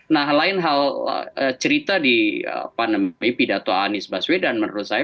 nah lain hal cerita di pidato anies baswedan menurut saya